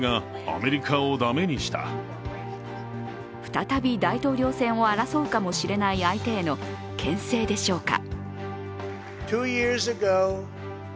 再び大統領選を争うかもしれない相手へのけん制でしょうか。